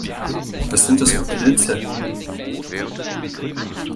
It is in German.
Was sind das für Pilze?